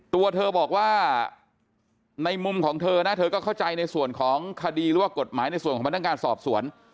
ตัวเธอบอกว่าในมุมของเธอนะเธอก็เข้าใจในส่วนของคดีหรือว่ากฎหมายในส่วนของพนักงานสอบสวน